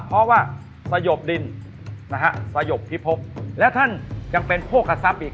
เพราะว่าสยบดินนะฮะสยบพิภพและท่านยังเป็นโพกกระซับอีก